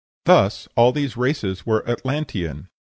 Thus all these races were Atlantean.